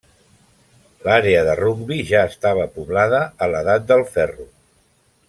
L'àrea de Rugby ja estava poblada a l'edat del ferro.